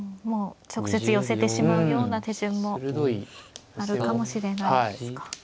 もう直接寄せてしまうような手順もあるかもしれないですか。